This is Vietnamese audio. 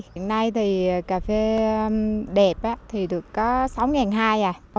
hiện nay thì cà phê đẹp thì được có sáu hai trăm linh à